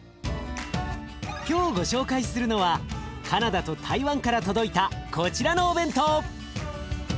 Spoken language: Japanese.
今日ご紹介するのはカナダと台湾から届いたこちらのお弁当。